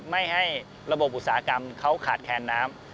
ไม่ให้ระบบอุตสาหกรรมเขาขาดแคลนน้ำ